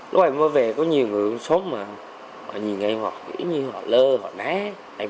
lúc em mới về có nhiều người sống mà họ nhìn em họ cứ như họ lơ họ nát